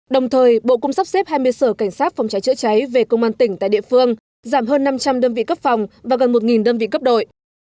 đồng thời bộ cũng sắp xếp hai mươi sở cảnh sát phòng cháy chữa cháy về công an tỉnh tại địa phương giảm hơn năm trăm linh đơn vị cấp phòng và gần một đơn vị cấp đội